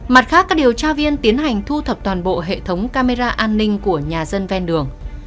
mặt khác các điều tra viên tiến hành thu thập toàn bộ hệ thống camera an ninh của nhà dân ven đường